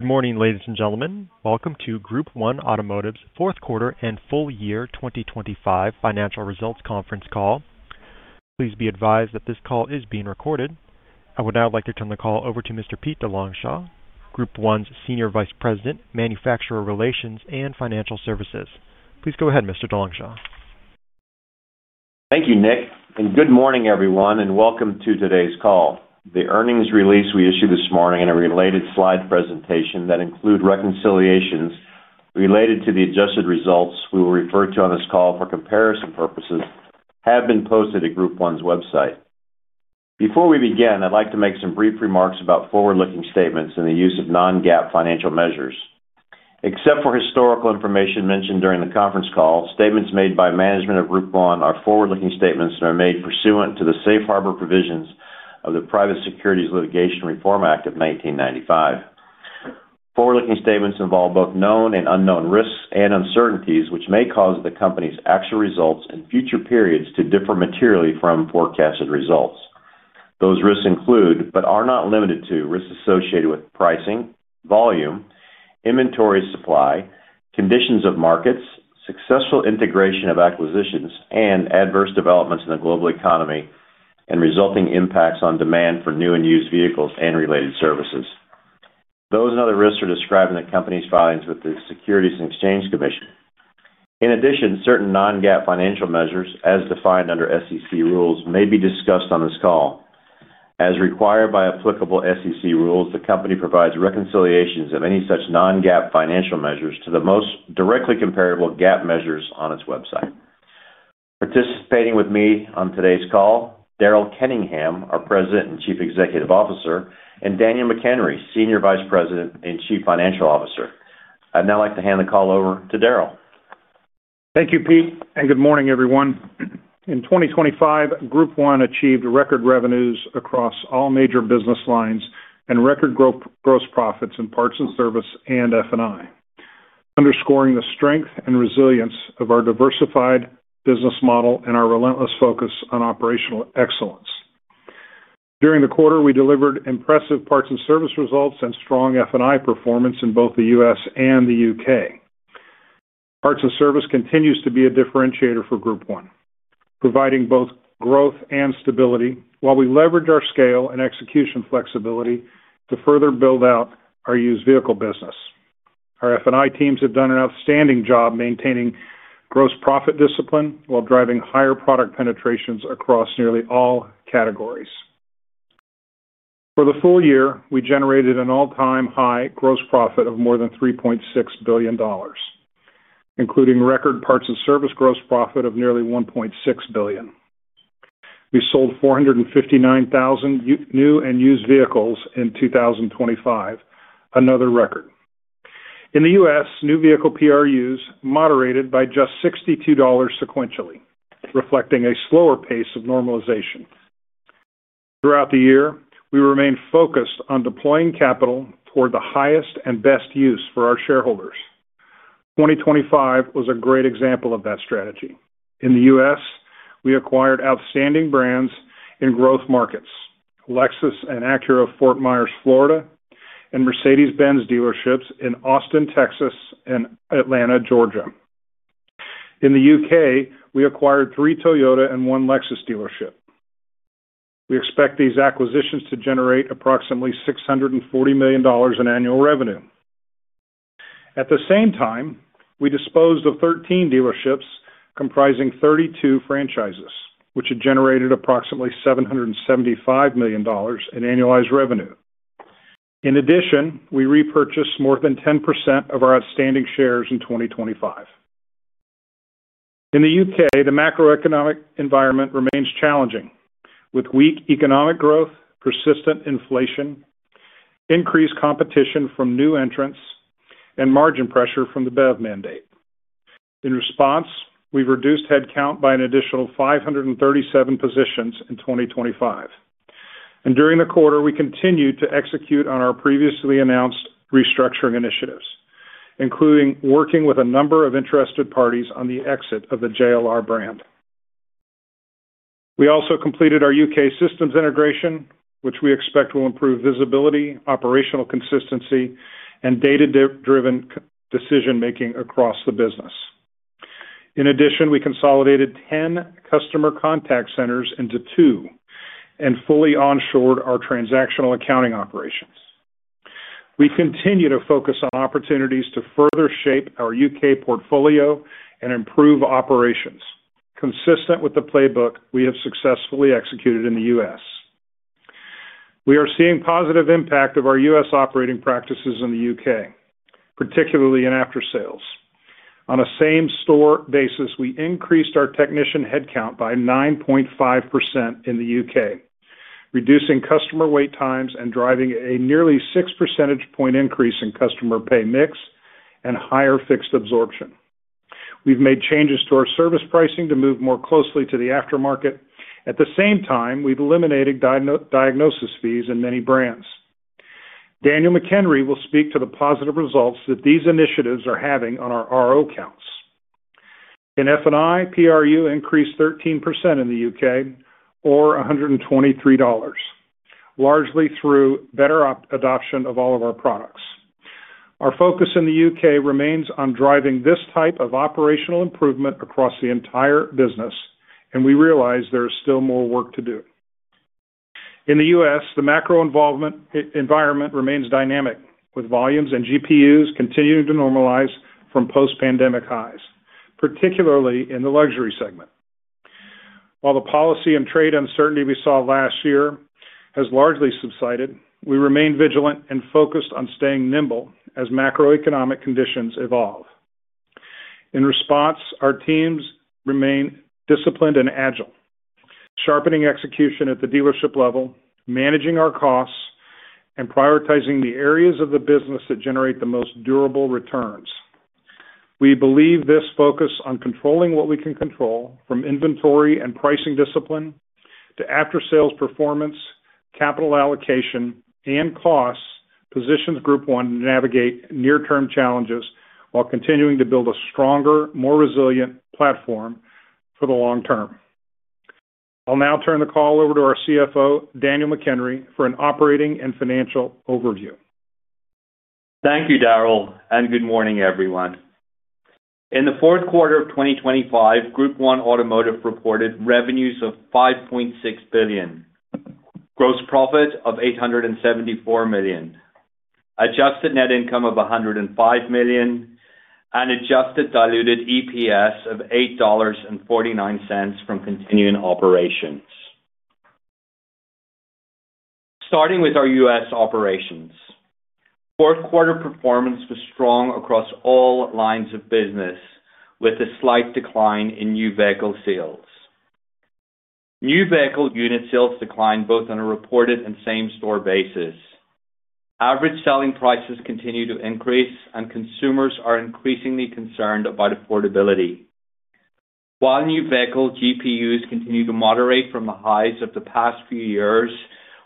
Good morning, ladies and gentlemen. Welcome to Group 1 Automotive's fourth quarter and full year 2025 financial results conference call. Please be advised that this call is being recorded. I would now like to turn the call over to Mr. Pete DeLongchamps, Group 1's Senior Vice President, Manufacturer Relations and Financial Services. Please go ahead, Mr. DeLongchamps. Thank you, Nick, and good morning, everyone, and welcome to today's call. The earnings release we issued this morning and a related slide presentation that include reconciliations related to the adjusted results we will refer to on this call for comparison purposes have been posted at Group 1's website. Before we begin, I'd like to make some brief remarks about forward-looking statements and the use of non-GAAP financial measures. Except for historical information mentioned during the conference call, statements made by management of Group 1 are forward-looking statements and are made pursuant to the Safe Harbor provisions of the Private Securities Litigation Reform Act of 1995. Forward-looking statements involve both known and unknown risks and uncertainties, which may cause the company's actual results in future periods to differ materially from forecasted results. Those risks include, but are not limited to, risks associated with pricing, volume, inventory supply, conditions of markets, successful integration of acquisitions, and adverse developments in the global economy, and resulting impacts on demand for new and used vehicles and related services. Those and other risks are described in the company's filings with the Securities and Exchange Commission. In addition, certain non-GAAP financial measures, as defined under SEC rules, may be discussed on this call. As required by applicable SEC rules, the company provides reconciliations of any such non-GAAP financial measures to the most directly comparable GAAP measures on its website. Participating with me on today's call, Daryl Kenningham, our President and Chief Executive Officer, and Daniel McHenry, Senior Vice President and Chief Financial Officer. I'd now like to hand the call over to Daryl. Thank you, Pete, and good morning, everyone. In 2025, Group 1 achieved record revenues across all major business lines and record gross profits in parts and service and F&I, underscoring the strength and resilience of our diversified business model and our relentless focus on operational excellence. During the quarter, we delivered impressive parts and service results and strong F&I performance in both the U.S. and the U.K. Parts and service continues to be a differentiator for Group 1, providing both growth and stability while we leverage our scale and execution flexibility to further build out our used vehicle business. Our F&I teams have done an outstanding job maintaining gross profit discipline while driving higher product penetrations across nearly all categories. For the full year, we generated an all-time high gross profit of more than $3.6 billion, including record parts and service gross profit of nearly $1.6 billion. We sold 459,000 new and used vehicles in 2025, another record. In the U.S., new vehicle PRUs moderated by just $62 sequentially, reflecting a slower pace of normalization. Throughout the year, we remained focused on deploying capital toward the highest and best use for our shareholders. 2025 was a great example of that strategy. In the U.S., we acquired outstanding brands in growth markets, Lexus and Acura, Fort Myers, Florida, and Mercedes-Benz dealerships in Austin, Texas, and Atlanta, Georgia. In the U.K., we acquired three Toyota and one Lexus dealership. We expect these acquisitions to generate approximately $640 million in annual revenue. At the same time, we disposed of 13 dealerships comprising 32 franchises, which had generated approximately $775 million in annualized revenue. In addition, we repurchased more than 10% of our outstanding shares in 2025. In the UK, the macroeconomic environment remains challenging, with weak economic growth, persistent inflation, increased competition from new entrants, and margin pressure from the BEV mandate. In response, we've reduced headcount by an additional 537 positions in 2025. During the quarter, we continued to execute on our previously announced restructuring initiatives, including working with a number of interested parties on the exit of the JLR brand. We also completed our UK systems integration, which we expect will improve visibility, operational consistency, and data-driven decision-making across the business. In addition, we consolidated 10 customer contact centers into two and fully onshored our transactional accounting operations. We continue to focus on opportunities to further shape our U.K. portfolio and improve operations, consistent with the playbook we have successfully executed in the U.S. We are seeing positive impact of our U.S. operating practices in the U.K., particularly in aftersales. On a same-store basis, we increased our technician headcount by 9.5% in the U.K., reducing customer wait times and driving a nearly six percentage point increase in customer pay mix and higher fixed absorption. We've made changes to our service pricing to move more closely to the aftermarket. At the same time, we've eliminated diagnosis fees in many brands. Daniel McHenry will speak to the positive results that these initiatives are having on our RO counts. In F&I, PRU increased 13% in the U.K., or $123, largely through better adoption of all of our products. Our focus in the U.K. remains on driving this type of operational improvement across the entire business, and we realize there is still more work to do. In the U.S., the macro environment remains dynamic, with volumes and GPUs continuing to normalize from post-pandemic highs, particularly in the luxury segment. While the policy and trade uncertainty we saw last year has largely subsided, we remain vigilant and focused on staying nimble as macroeconomic conditions evolve. In response, our teams remain disciplined and agile, sharpening execution at the dealership level, managing our costs, and prioritizing the areas of the business that generate the most durable returns. We believe this focus on controlling what we can control, from inventory and pricing discipline to after-sales performance, capital allocation, and costs, positions Group 1 to navigate near-term challenges while continuing to build a stronger, more resilient platform for the long term. I'll now turn the call over to our CFO, Daniel McHenry, for an operating and financial overview. Thank you, Daryl, and good morning, everyone. In the fourth quarter of 2025, Group 1 Automotive reported revenues of $5.6 billion, gross profit of $874 million, adjusted net income of $105 million, and adjusted diluted EPS of $8.49 from continuing operations. Starting with our U.S. operations. Fourth quarter performance was strong across all lines of business, with a slight decline in new vehicle sales. New vehicle unit sales declined both on a reported and same-store basis. Average selling prices continue to increase, and consumers are increasingly concerned about affordability. While new vehicle GPUs continue to moderate from the highs of the past few years,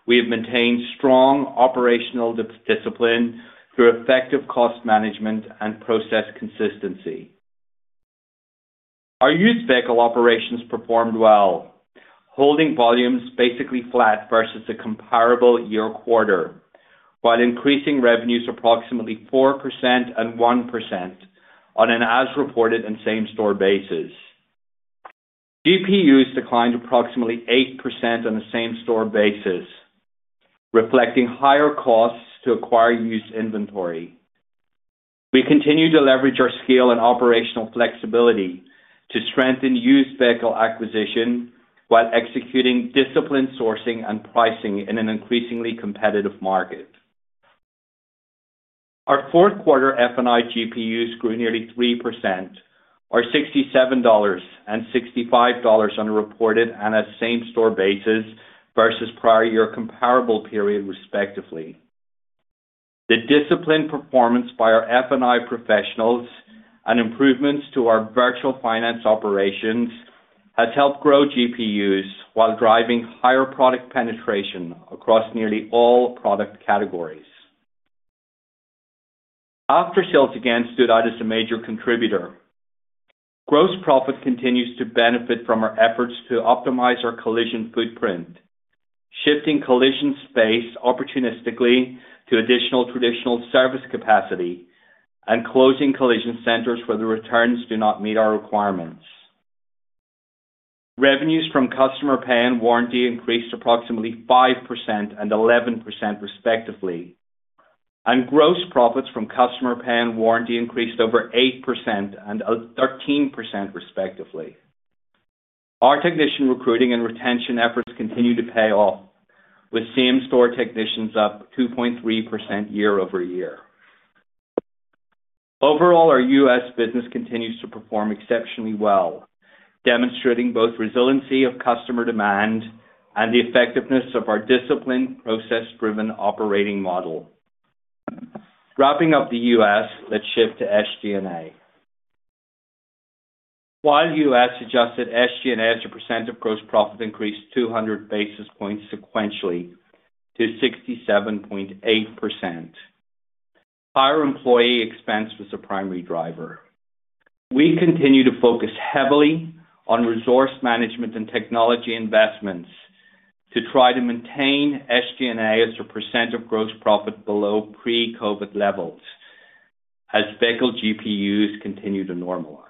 we have maintained strong operational discipline through effective cost management and process consistency. Our used vehicle operations performed well, holding volumes basically flat versus a comparable year quarter, while increasing revenues approximately 4% and 1% on an as-reported and same-store basis. GPUs declined approximately 8% on a same-store basis, reflecting higher costs to acquire used inventory. We continue to leverage our scale and operational flexibility to strengthen used vehicle acquisition, while executing disciplined sourcing and pricing in an increasingly competitive market. Our Q4 F&I GPUs grew nearly 3%, or $67 and $65 on a reported and a same-store basis versus prior year comparable period, respectively. The disciplined performance by our F&I professionals and improvements to our virtual finance operations has helped grow GPUs while driving higher product penetration across nearly all product categories. After-sales again stood out as a major contributor. Gross profit continues to benefit from our efforts to optimize our collision footprint, shifting collision space opportunistically to additional traditional service capacity and closing collision centers where the returns do not meet our requirements. Revenues from customer pay and warranty increased approximately 5% and 11%, respectively, and gross profits from customer pay and warranty increased over 8% and thirteen percent, respectively. Our technician recruiting and retention efforts continue to pay off, with same-store technicians up 2.3% year-over-year. Overall, our U.S. business continues to perform exceptionally well, demonstrating both resiliency of customer demand and the effectiveness of our disciplined, process-driven operating model. Wrapping up the U.S., let's shift to SG&A. While U.S. adjusted SG&A as a percent of gross profit increased 200 basis points sequentially to 67.8%, higher employee expense was the primary driver. We continue to focus heavily on resource management and technology investments to try to maintain SG&A as a percent of gross profit below pre-COVID levels as vehicle GPUs continue to normalize.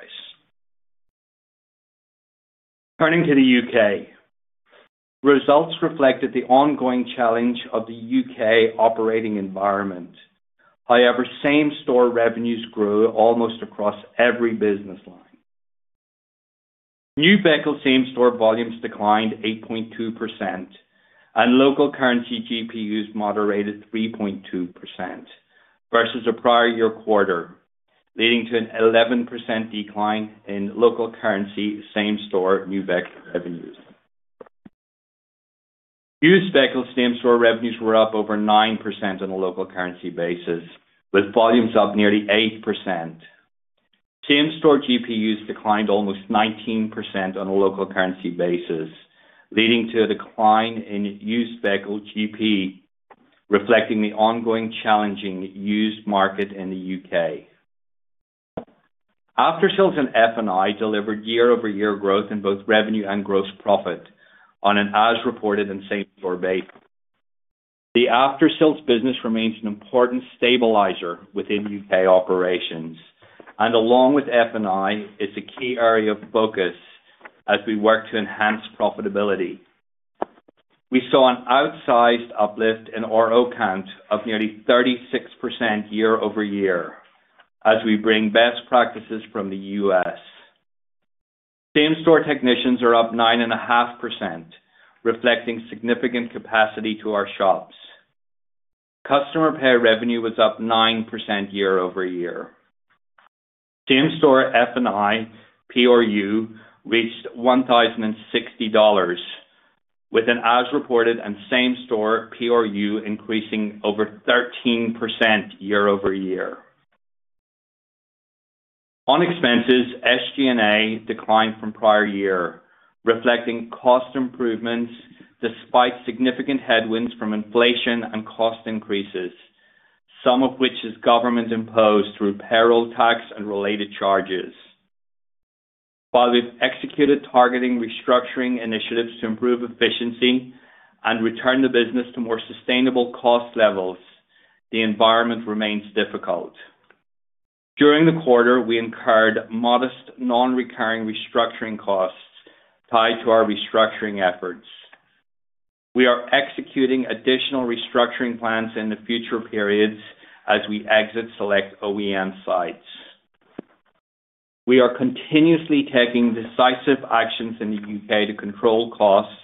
Turning to the U.K., results reflected the ongoing challenge of the U.K. operating environment. However, same-store revenues grew almost across every business line. New vehicle same-store volumes declined 8.2%, and local currency GPUs moderated 3.2% versus the prior year quarter, leading to an 11% decline in local currency same-store new vehicle revenues. Used vehicle same-store revenues were up over 9% on a local currency basis, with volumes up nearly 8%. Same-store GPUs declined almost 19% on a local currency basis, leading to a decline in used vehicle GP, reflecting the ongoing challenging used market in the U.K. Aftersales and F&I delivered year-over-year growth in both revenue and gross profit on an as-reported and same-store base. The aftersales business remains an important stabilizer within UK operations, and along with F&I, it's a key area of focus as we work to enhance profitability. We saw an outsized uplift in RO count of nearly 36% year-over-year, as we bring best practices from the U.S.. Same-store technicians are up 9.5%, reflecting significant capacity to our shops. Customer pay revenue was up 9% year-over-year. Same-store F&I PRU reached $1,060, with an as-reported and same-store PRU increasing over 13% year-over-year. On expenses, SG&A declined from prior year, reflecting cost improvements despite significant headwinds from inflation and cost increases, some of which is government-imposed through payroll tax and related charges. While we've executed targeting restructuring initiatives to improve efficiency and return the business to more sustainable cost levels, the environment remains difficult. During the quarter, we incurred modest non-recurring restructuring costs tied to our restructuring efforts. We are executing additional restructuring plans in the future periods as we exit select OEM sites. We are continuously taking decisive actions in the UK to control costs,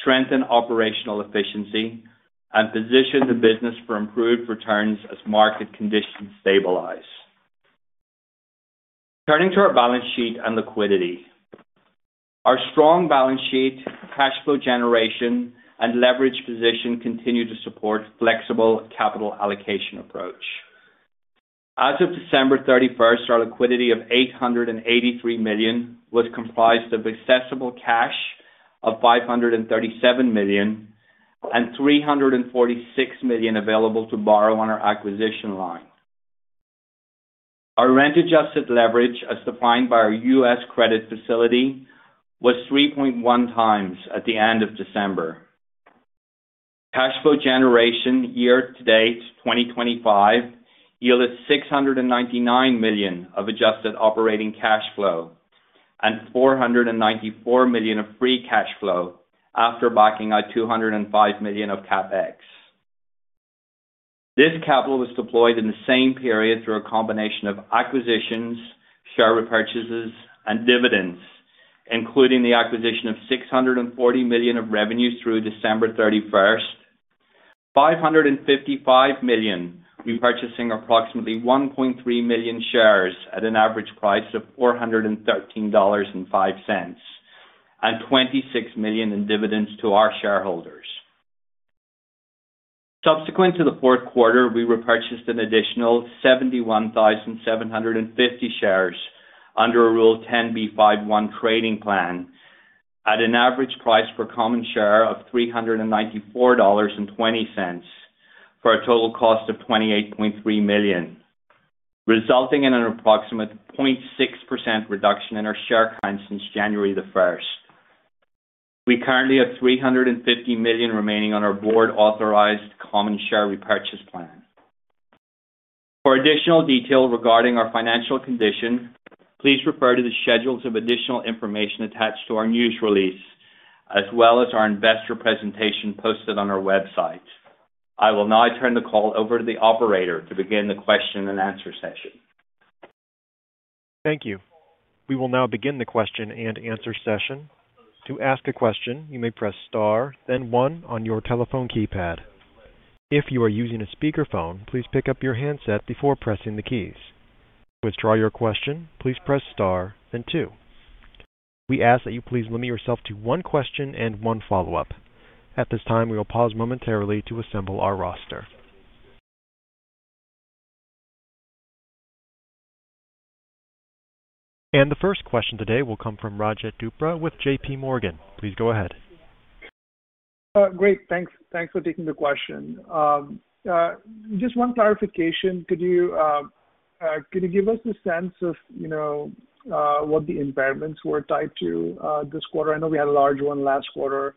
strengthen operational efficiency, and position the business for improved returns as market conditions stabilize. Turning to our balance sheet and liquidity. Our strong balance sheet, cash flow generation, and leverage position continue to support flexible capital allocation approach. As of December 31, our liquidity of $883 million was comprised of accessible cash of $537 million, and $346 million available to borrow on our acquisition line. Our rent-adjusted leverage, as defined by our U.S. credit facility, was 3.1 times at the end of December. Cash flow generation, year-to-date, 2025, yielded $699 million of adjusted operating cash flow and $494 million of free cash flow after backing out $205 million of CapEx. This capital was deployed in the same period through a combination of acquisitions, share repurchases, and dividends, including the acquisition of $640 million of revenue through December 31, $555 million, repurchasing approximately 1.3 million shares at an average price of $413.05, and $26 million in dividends to our shareholders. Subsequent to the fourth quarter, we repurchased an additional 71,750 shares under a Rule 10b5-1 trading plan at an average price per common share of $394.20, for a total cost of $28.3 million, resulting in an approximate 0.6% reduction in our share count since January 1. We currently have 350 million remaining on our board-authorized common share repurchase plan. For additional detail regarding our financial condition, please refer to the schedules of additional information attached to our news release, as well as our investor presentation posted on our website. I will now turn the call over to the operator to begin the question and answer session. Thank you. We will now begin the question-and-answer session. To ask a question, you may press star, then one on your telephone keypad. If you are using a speakerphone, please pick up your handset before pressing the keys. To withdraw your question, please press star, then two. We ask that you please limit yourself to one question and one follow-up. At this time, we will pause momentarily to assemble our roster. The first question today will come from Rajat Gupta with J.P. Morgan. Please go ahead. Great. Thanks for taking the question. Just one clarification: could you give us a sense of, you know, what the impairments were tied to, this quarter? I know we had a large one last quarter,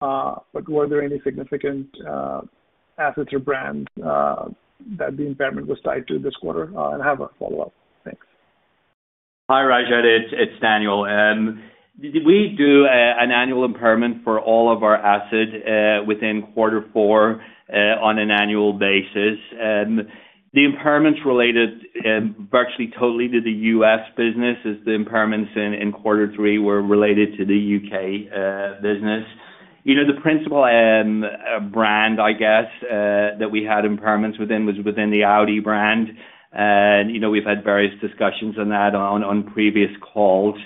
but were there any significant assets or brands that the impairment was tied to this quarter? And I have a follow-up. Thanks. Hi, Rajat, it's Daniel. We do an annual impairment for all of our assets within quarter four on an annual basis. The impairments related virtually totally to the U.S. business, as the impairments in quarter three were related to the U.K. business. You know, the principal brand, I guess, that we had impairments within was within the Audi brand, and you know, we've had various discussions on that on previous calls.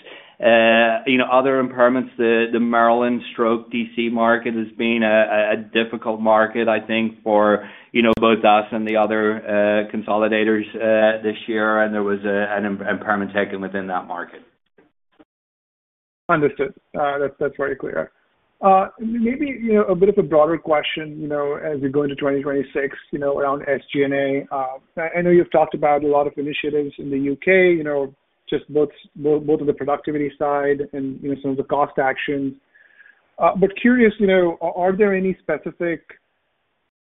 You know, other impairments, the Maryland/D.C. market has been a difficult market, I think, for you know, both us and the other consolidators this year, and there was an impairment taken within that market. Understood. That's, that's very clear. Maybe, you know, a bit of a broader question, you know, as we go into 2026, you know, around SG&A. I know you've talked about a lot of initiatives in the UK, you know, just both on the productivity side and, you know, some of the cost actions. But curious, you know, are there any specific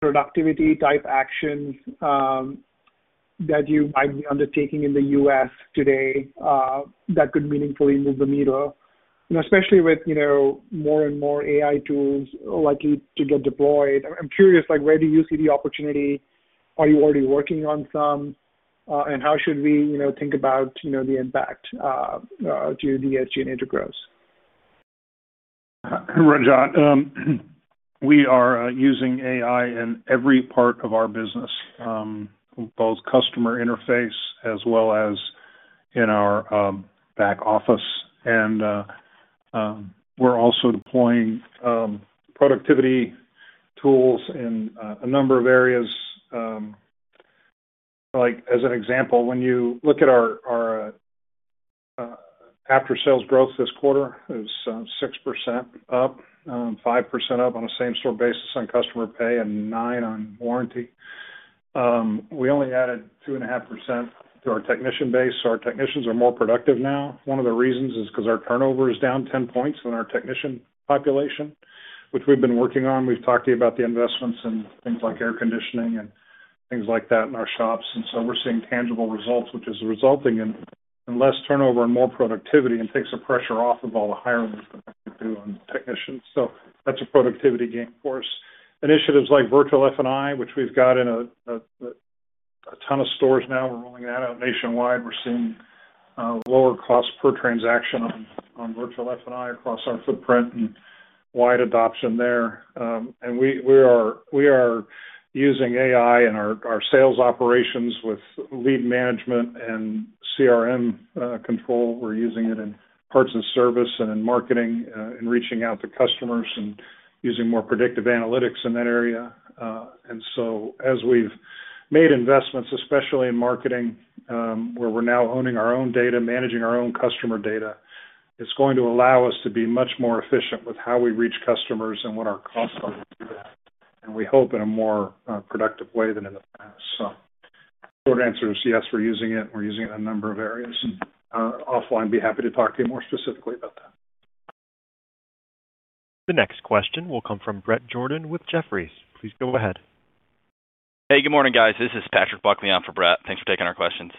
productivity type actions that you might be undertaking in the U.S. today that could meaningfully move the needle? You know, especially with, you know, more and more AI tools likely to get deployed, I'm curious, like, where do you see the opportunity? Are you already working on some? And how should we, you know, think about, you know, the impact to the SG&A integrals? Rajat, we are using AI in every part of our business, both customer interface as well as in our back office. We're also deploying productivity tools in a number of areas. Like, as an example, when you look at our after sales growth this quarter, it was 6% up, 5% up on a same store basis on customer pay and 9% on warranty. We only added 2.5% to our technician base, so our technicians are more productive now. One of the reasons is 'cause our turnover is down ten points in our technician population, which we've been working on. We've talked to you about the investments in things like air conditioning and things like that in our shops. And so we're seeing tangible results, which is resulting in less turnover and more productivity, and takes the pressure off of all the hiring we've been doing on technicians. So that's a productivity gain for us. Initiatives like virtual F&I, which we've got in a ton of stores now, we're rolling that out nationwide. We're seeing lower cost per transaction on virtual F&I across our footprint and wide adoption there. And we are using AI in our sales operations with lead management and CRM control. We're using it in parts and service and in marketing in reaching out to customers and using more predictive analytics in that area. And so as we've made investments, especially in marketing, where we're now owning our own data, managing our own customer data, it's going to allow us to be much more efficient with how we reach customers and what our costs are to do that, and we hope in a more productive way than in the past. So short answer is yes, we're using it. We're using it in a number of areas, and offline, be happy to talk to you more specifically about that. The next question will come from Bret Jordan with Jefferies. Please go ahead. Hey, good morning, guys. This is Patrick Buckley on for Bret. Thanks for taking our questions.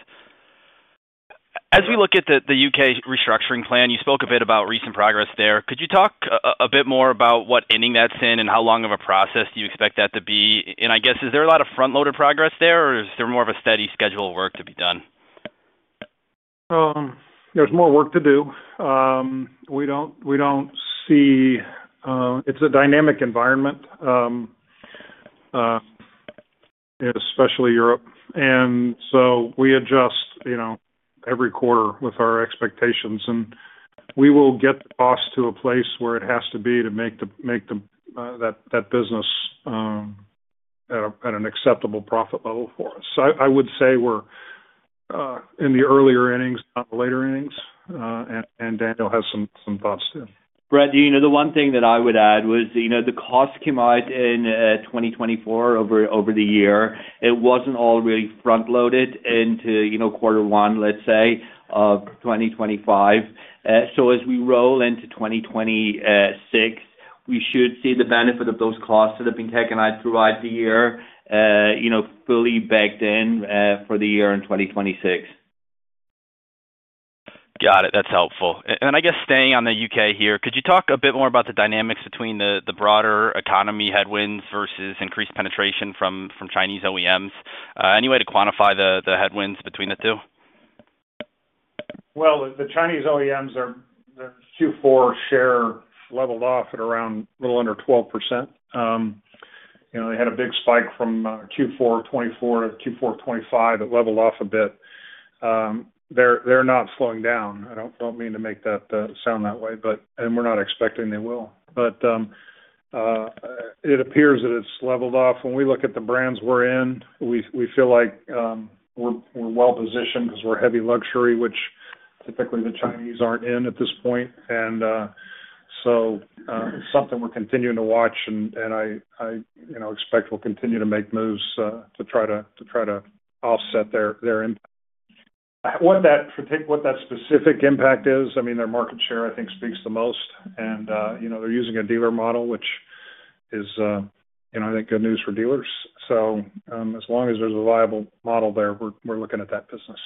As we look at the UK restructuring plan, you spoke a bit about recent progress there. Could you talk a bit more about what inning that's in, and how long of a process do you expect that to be? And I guess, is there a lot of front-loaded progress there, or is there more of a steady schedule of work to be done? There's more work to do. We don't see it's a dynamic environment, especially Europe. And so we adjust, you know, every quarter with our expectations, and we will get the cost to a place where it has to be to make that business at an acceptable profit level for us. So I would say we're in the earlier innings, not the later innings, and Daniel will have some thoughts, too. Bret, you know, the one thing that I would add was, you know, the costs came out in 2024 over, over the year. It wasn't all really front-loaded into, you know, quarter one, let's say, of 2025. So as we roll into 2026, we should see the benefit of those costs that have been taken out throughout the year, you know, fully baked in for the year in 2026. Got it. That's helpful. And I guess staying on the UK here, could you talk a bit more about the dynamics between the broader economy headwinds versus increased penetration from Chinese OEMs? Any way to quantify the headwinds between the two? Well, the Chinese OEMs, their Q4 share leveled off at around a little under 12%. You know, they had a big spike from Q4 2024 to Q4 2025. It leveled off a bit. They're not slowing down. I don't mean to make that sound that way, but and we're not expecting they will. But it appears that it's leveled off. When we look at the brands we're in, we feel like we're well positioned because we're heavy luxury, which typically the Chinese aren't in at this point. And so something we're continuing to watch and I you know, expect we'll continue to make moves to try to offset their impact. What that particular what that specific impact is, I mean, their market share, I think, speaks the most. You know, they're using a dealer model, which is, you know, I think, good news for dealers. As long as there's a viable model there, we're, we're looking at that business.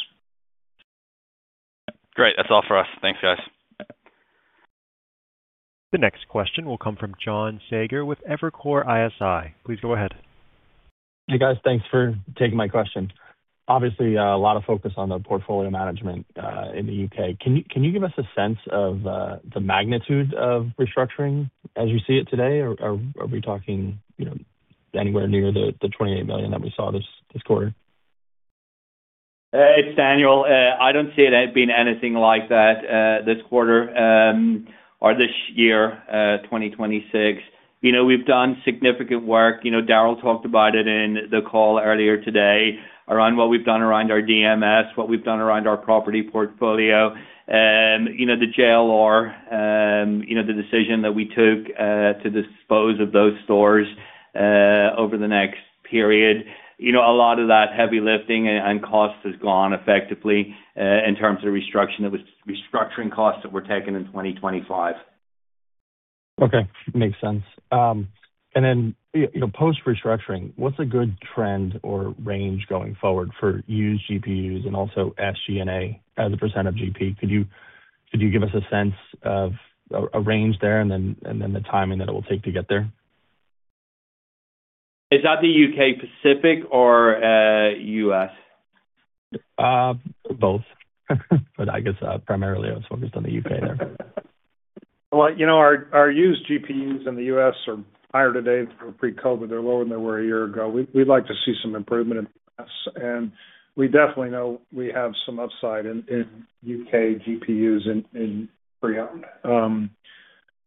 Great. That's all for us. Thanks, guys. The next question will come from John Saager with Evercore ISI. Please go ahead. Hey, guys. Thanks for taking my question. Obviously, a lot of focus on the portfolio management in the UK. Can you give us a sense of the magnitude of restructuring as you see it today, or are we talking, you know, anywhere near the $28 million that we saw this quarter? It's Daniel. I don't see it as being anything like that, this quarter, or this year, 2026.... You know, we've done significant work. You know, Daryl talked about it in the call earlier today, around what we've done around our DMS, what we've done around our property portfolio, and, you know, the JLR, you know, the decision that we took to dispose of those stores over the next period. You know, a lot of that heavy lifting and costs is gone effectively in terms of the restructuring costs that were taken in 2025. Okay, makes sense. And then, you know, post-restructuring, what's a good trend or range going forward for used GPUs and also SG&A as a % of GP? Could you give us a sense of a range there and then the timing that it will take to get there? Is that the UK specific or U.S.? Both. But I guess, primarily I was focused on the UK there. Well, you know, our used GPUs in the U.S. are higher today than pre-COVID. They're lower than they were a year ago. We'd like to see some improvement in this, and we definitely know we have some upside in U.K. GPUs in pre-owned.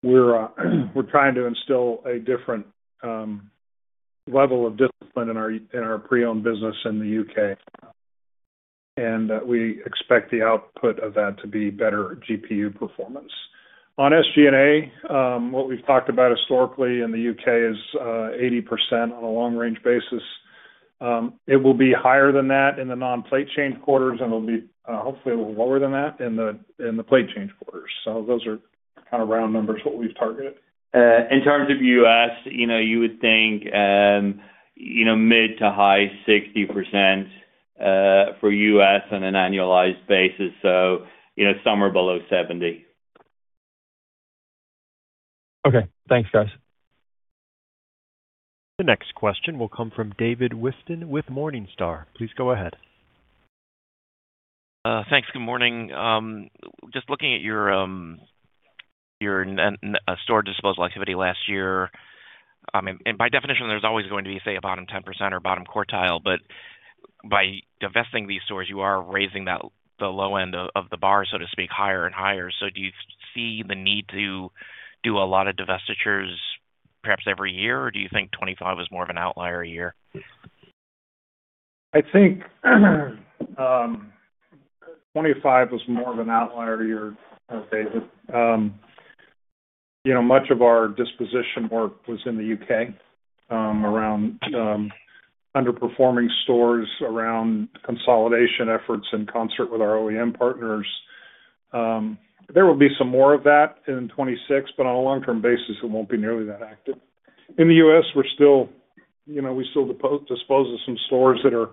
We're trying to instill a different level of discipline in our pre-owned business in the U.K., and we expect the output of that to be better GPU performance. On SG&A, what we've talked about historically in the U.K. is 80% on a long range basis. It will be higher than that in the non-plate change quarters, and it'll be, hopefully, a little lower than that in the plate change quarters. So those are kind of round numbers, what we've targeted. In terms of U.S., you know, you would think, you know, mid- to high-60%, for U.S. on an annualized basis, so, you know, somewhere below 70%. Okay, thanks, guys. The next question will come from David Whiston with Morningstar. Please go ahead. Thanks. Good morning. Just looking at your, your store disposal activity last year, I mean, and by definition, there's always going to be, say, a bottom 10% or bottom quartile, but by divesting these stores, you are raising that, the low end of the bar, so to speak, higher and higher. So do you see the need to do a lot of divestitures perhaps every year, or do you think 2025 is more of an outlier year? I think, 2025 was more of an outlier year, David. You know, much of our disposition work was in the U.K., around underperforming stores, around consolidation efforts in concert with our OEM partners. There will be some more of that in 2026, but on a long-term basis, it won't be nearly that active. In the U.S., we're still, you know, we still dispose of some stores that are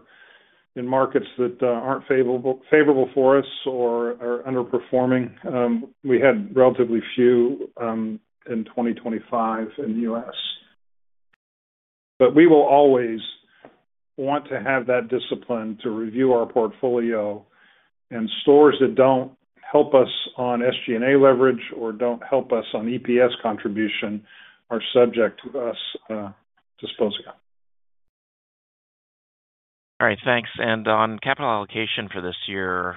in markets that aren't favorable, favorable for us or are underperforming. We had relatively few in 2025 in the U.S. But we will always want to have that discipline to review our portfolio, and stores that don't help us on SG&A leverage or don't help us on EPS contribution are subject to us disposing of. All right, thanks. On capital allocation for this year,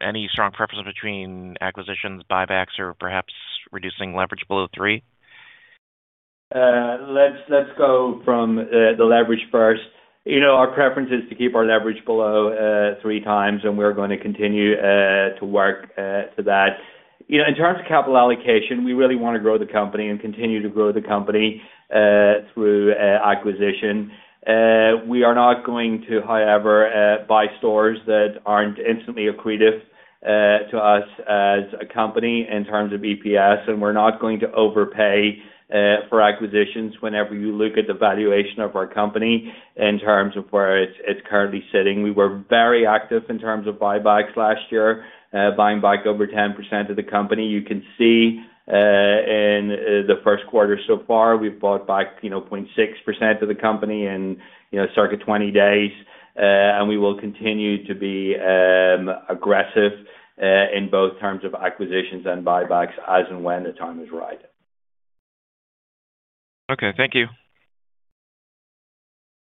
any strong preference between acquisitions, buybacks, or perhaps reducing leverage below three? Let's go from the leverage first. You know, our preference is to keep our leverage below 3 times, and we're going to continue to work to that. You know, in terms of capital allocation, we really want to grow the company and continue to grow the company through acquisition. We are not going to, however, buy stores that aren't instantly accretive to us as a company in terms of EPS, and we're not going to overpay for acquisitions whenever you look at the valuation of our company in terms of where it's currently sitting. We were very active in terms of buybacks last year, buying back over 10% of the company. You can see, in the first quarter so far, we've bought back, you know, 0.6% of the company in, you know, circa 20 days. And we will continue to be aggressive, in both terms of acquisitions and buybacks as and when the time is right. Okay, thank you.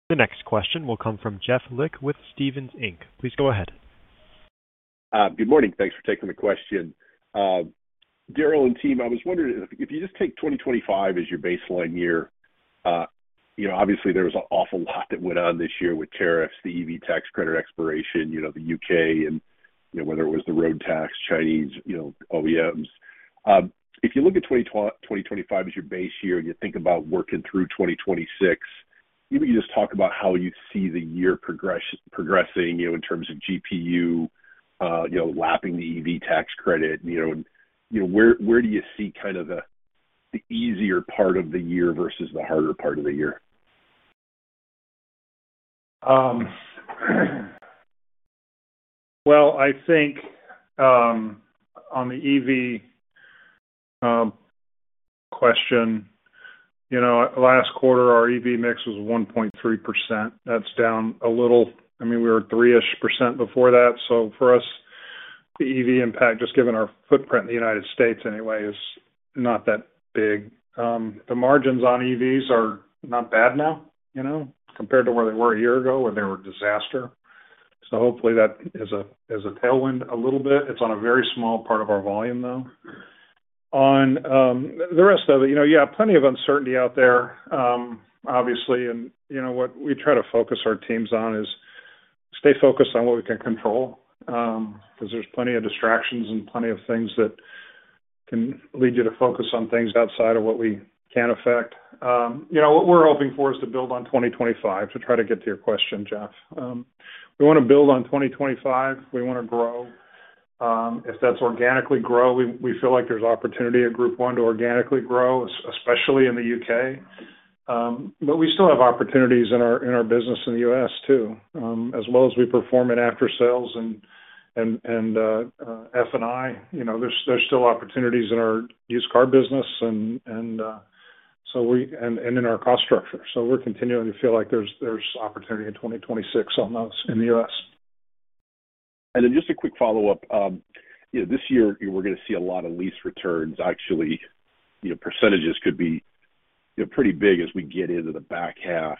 The next question will come from Jeff Lick with Stephens Inc. Please go ahead. Good morning. Thanks for taking the question. Daryl and team, I was wondering, if you just take 2025 as your baseline year, you know, obviously there was an awful lot that went on this year with tariffs, the EV tax credit expiration, you know, the U.K., and, you know, whether it was the road tax, Chinese, you know, OEMs. If you look at 2025 as your base year, and you think about working through 2026, maybe you just talk about how you see the year progressing, you know, in terms of GPU, you know, lapping the EV tax credit, you know, you know, where, where do you see kind of the, the easier part of the year versus the harder part of the year? Well, I think on the EV question, you know, last quarter, our EV mix was 1.3%. That's down a little. I mean, we were 3-ish% before that. So for us, the EV impact, just given our footprint in the United States anyway, is not that big. The margins on EVs are not bad now, you know, compared to where they were a year ago, where they were a disaster. So hopefully that is a, is a tailwind a little bit. It's on a very small part of our volume, though. On the rest of it, you know, you have plenty of uncertainty out there, obviously, and you know, what we try to focus our teams on is stay focused on what we can control, because there's plenty of distractions and plenty of things that can lead you to focus on things outside of what we can affect. You know, what we're hoping for is to build on 2025, to try to get to your question, Jeff. We wanna build on 2025. We wanna grow. If that's organically grow, we feel like there's opportunity at Group 1 to organically grow, especially in the UK. But we still have opportunities in our business in the U.S., too. As well as we perform in after sales and F&I, you know, there's still opportunities in our used car business and in our cost structure. So we're continuing to feel like there's opportunity in 2026 on those in the U.S.. Then just a quick follow-up. You know, this year, we're gonna see a lot of lease returns. Actually, you know, percentages could be, you know, pretty big as we get into the back half.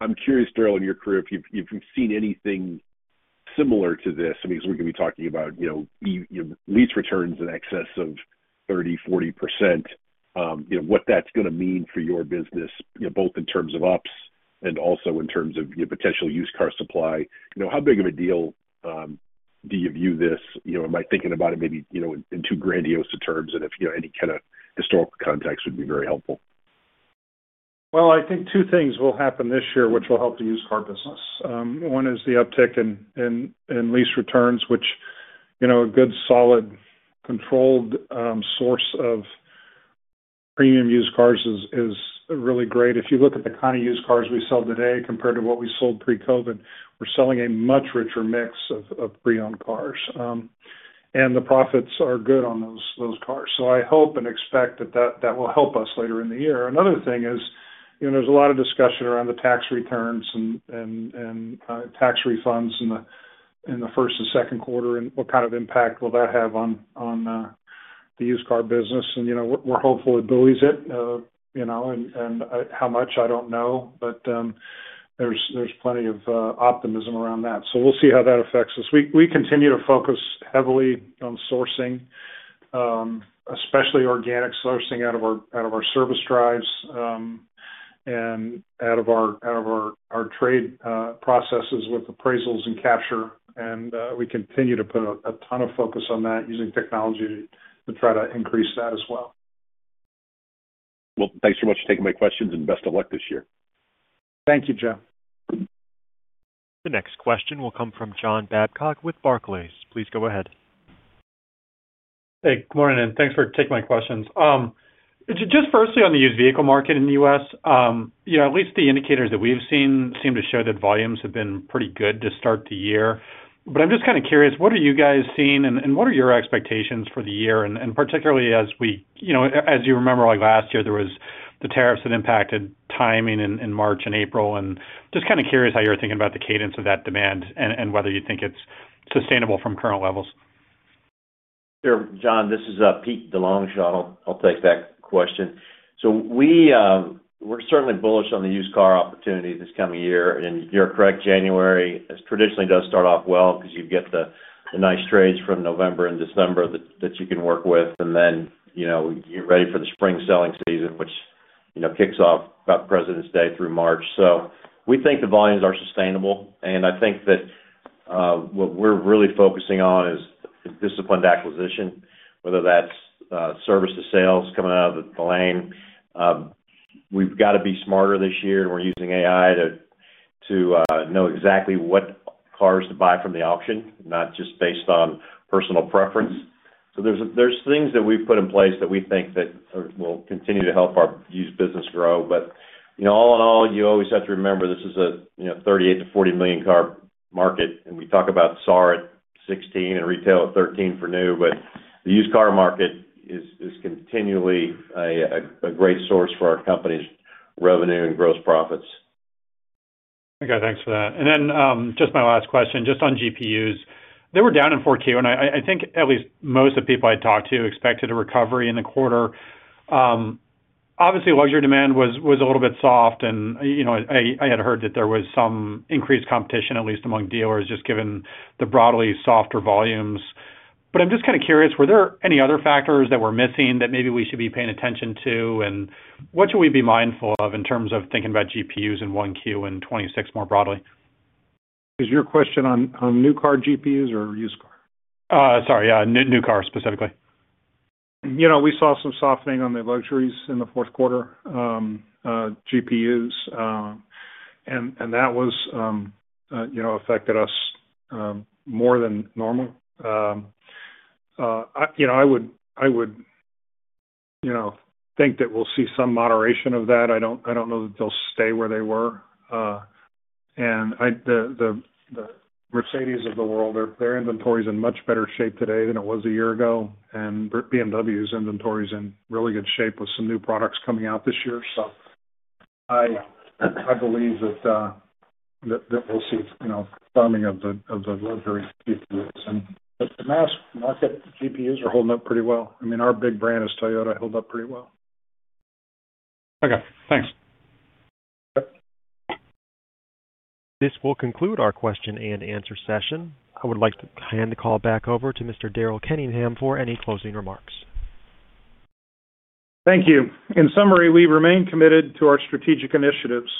I'm curious, Daryl, in your career, if you've seen anything similar to this, I mean, because we're gonna be talking about, you know, lease returns in excess of 30%, 40%. You know, what that's gonna mean for your business, you know, both in terms of ops and also in terms of, you know, potential used car supply. You know, how big of a deal do you view this? You know, am I thinking about it maybe, you know, in too grandiose terms? And if, you know, any kinda historical context would be very helpful. Well, I think two things will happen this year which will help the used car business. One is the uptick in lease returns, which, you know, a good, solid, controlled source of premium used cars is really great. If you look at the kind of used cars we sell today compared to what we sold pre-COVID, we're selling a much richer mix of pre-owned cars, and the profits are good on those cars. So I hope and expect that will help us later in the year. Another thing is, you know, there's a lot of discussion around the tax returns and tax refunds in the first and second quarter, and what kind of impact will that have on the used car business? You know, we're hopeful it buoys it, you know, and how much, I don't know, but there's plenty of optimism around that. So we'll see how that affects us. We continue to focus heavily on sourcing, especially organic sourcing out of our service drives, and out of our trade processes with appraisals and capture, and we continue to put a ton of focus on that using technology to try to increase that as well. Well, thanks so much for taking my questions, and best of luck this year. Thank you, Jeff. The next question will come from John Babcock with Barclays. Please go ahead. Hey, good morning, and thanks for taking my questions. Just firstly, on the used vehicle market in the U.S., you know, at least the indicators that we've seen seem to show that volumes have been pretty good to start the year. But I'm just kind of curious, what are you guys seeing, and what are your expectations for the year? And particularly as we... You know, as you remember, like, last year, there was the tariffs that impacted timing in March and April, and just kind of curious how you're thinking about the cadence of that demand and whether you think it's sustainable from current levels. Sure, John, this is Pete DeLongchamps. John, I'll take that question. So we're certainly bullish on the used car opportunity this coming year, and you're correct, January traditionally does start off well because you get the nice trades from November and December that you can work with, and then, you know, you're ready for the spring selling season, which, you know, kicks off about President's Day through March. So we think the volumes are sustainable, and I think that what we're really focusing on is disciplined acquisition, whether that's service to sales coming out of the lane. We've got to be smarter this year, and we're using AI to know exactly what cars to buy from the auction, not just based on personal preference. So there's things that we've put in place that we think will continue to help our used business grow. But, you know, all in all, you always have to remember this is a, you know, 38-40 million car market, and we talk about SAR at 16 and retail at 13 for new, but the used car market is continually a great source for our company's revenue and gross profits. Okay, thanks for that. And then, just my last question, just on GPUs. They were down in Q4, and I think at least most of the people I talked to expected a recovery in the quarter. Obviously, luxury demand was a little bit soft, and, you know, I had heard that there was some increased competition, at least among dealers, just given the broadly softer volumes. But I'm just kind of curious, were there any other factors that we're missing that maybe we should be paying attention to? And what should we be mindful of in terms of thinking about GPUs in Q1 and 2026 more broadly? Is your question on new car GPUs or used car? Sorry, yeah, new, new cars, specifically. You know, we saw some softening on the luxuries in the Q4, GPUs, and that was, you know, affected us, more than normal. You know, I would, I would, you know, think that we'll see some moderation of that. I don't, I don't know that they'll stay where they were. And I, the, the, the Mercedes of the world, their, their inventory is in much better shape today than it was a year ago, and BMW's inventory is in really good shape with some new products coming out this year. So I, I believe that, that, that we'll see, you know, firming of the, of the luxury GPUs. And, but the mass market GPUs are holding up pretty well. I mean, our big brand is Toyota, held up pretty well. Okay, thanks. Yep. This will conclude our question and answer session. I would like to hand the call back over to Mr. Daryl Kenningham for any closing remarks. Thank you. In summary, we remain committed to our strategic initiatives.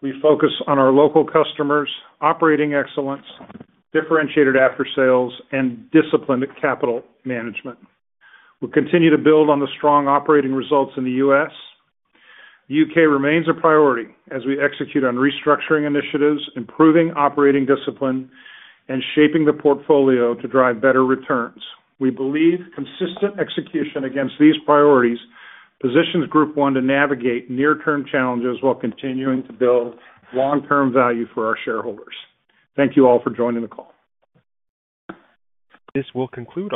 We focus on our local customers, operating excellence, differentiated aftersales, and disciplined capital management. We continue to build on the strong operating results in the U.S. U.K. remains a priority as we execute on restructuring initiatives, improving operating discipline, and shaping the portfolio to drive better returns. We believe consistent execution against these priorities positions Group 1 to navigate near-term challenges while continuing to build long-term value for our shareholders. Thank you all for joining the call. This will conclude.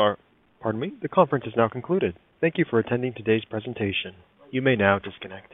Pardon me. The conference is now concluded. Thank you for attending today's presentation. You may now disconnect.